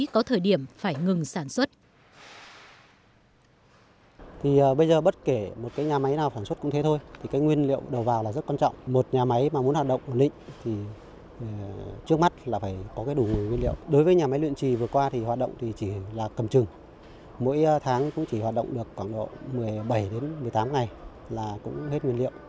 công suất thiết kế thậm chí có thời điểm phải ngừng sản xuất